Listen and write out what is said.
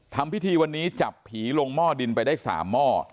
ทำพิธีวันนี้จับผีลงหม้อดินไปได้๓หม้อ